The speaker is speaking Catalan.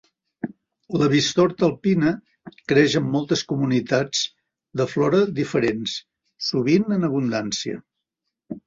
La bistorta alpina creix en moltes comunitats de flora diferents, sovint en abundància.